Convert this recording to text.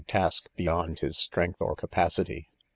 task be yond Ms strength or capacity.